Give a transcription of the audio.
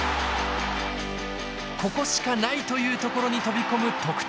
ここしかないというところに飛び込む得点感覚。